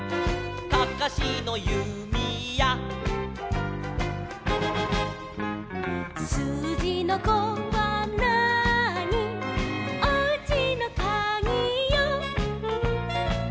「かかしのゆみや」「すうじの５はなーに」「おうちのかぎよ」